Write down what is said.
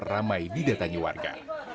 ramai didatangi warga